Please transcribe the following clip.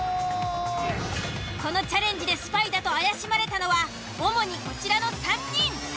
このチャレンジでスパイだと怪しまれたのは主にこちらの３人。